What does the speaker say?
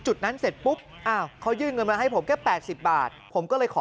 จุดนั้นเสร็จปุ๊บอ้าวเขายื่นเงินมาให้ผมแค่๘๐บาทผมก็เลยขอ